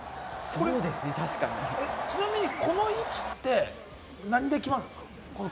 ちなみにこの位置って何で決まるんですか？